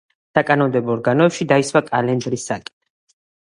საკანონმდებლო ორგანოებში დაისვა კალენდრის საკითხიც.